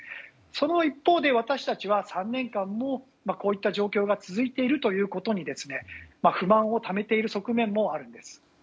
その一方で私たちは３年間もこういった状況が続いているということに不満をためている側面もあるんです。